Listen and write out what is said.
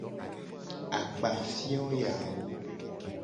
Akpafio yawo.